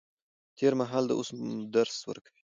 تېر مهال د اوس درس ورکوي.